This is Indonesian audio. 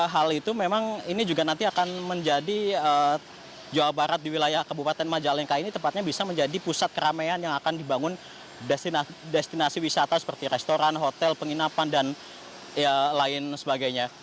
hal itu memang ini juga nanti akan menjadi jawa barat di wilayah kabupaten majalengka ini tepatnya bisa menjadi pusat keramaian yang akan dibangun destinasi wisata seperti restoran hotel penginapan dan lain sebagainya